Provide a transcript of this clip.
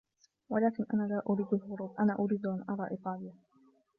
ولكن أنا لا أريد الهروب, أنا أريد أن أرى إيطاليا.